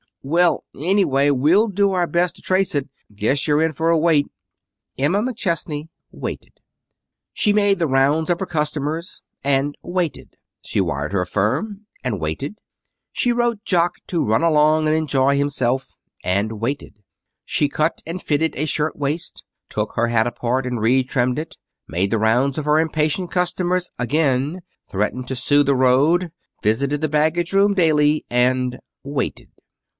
"Well, anyway, we'll do our best to trace it. Guess you're in for a wait." Emma McChesney waited. She made the rounds of her customers, and waited. She wired her firm, and waited. She wrote Jock to run along and enjoy himself, and waited. She cut and fitted a shirt waist, took her hat apart and retrimmed it, made the rounds of her impatient customers again, threatened to sue the road, visited the baggage room daily and waited.